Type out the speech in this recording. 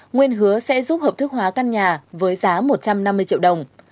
nguyên hứa sẽ giúp hợp thức hóa căn nhà với giá một trăm năm mươi triệu đồng